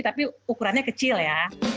tapi ukurannya kecil ya